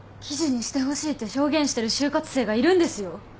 記事にしてほしいって証言してる就活生がいるんですよ。